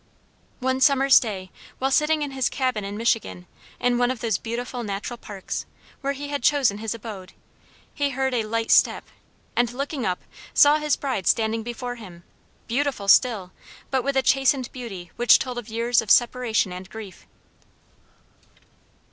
One summer's day, while sitting in his cabin in Michigan, in one of those beautiful natural parks, where he had chosen his abode, he heard a light step, and, looking up, saw his bride standing before him, beautiful still, but with a chastened beauty which told of years of separation and grief.